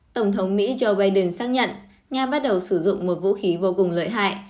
tổng thống mỹ joe biden xác nhận nga bắt đầu sử dụng một vũ khí vô cùng lợi hại